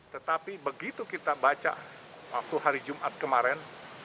tetapi begitu kita baca waktu hari jumat kemarin